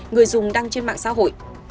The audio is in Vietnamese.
người dùng đăng trên mạng xã hội